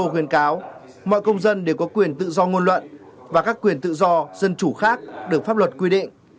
khuyên cáo mọi công dân đều có quyền tự do ngôn luận và các quyền tự do dân chủ khác được pháp luật quy định